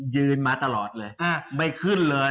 ยืนมาตลอดเลยไม่ขึ้นเลย